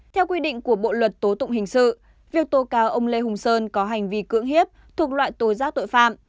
theo quy định của bộ luật tố tụng hình sự việc tố cáo ông lê hùng sơn có hành vi cưỡng hiếp thuộc loại tố giác tội phạm